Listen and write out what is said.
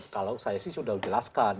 kalau saya sih sudah jelaskan